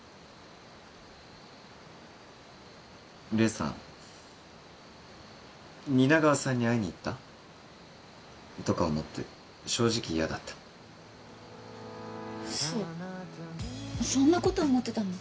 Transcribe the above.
黎さん蜷川さんに会いに行った？とか思って正直嫌だったウソそんなこと思ってたの？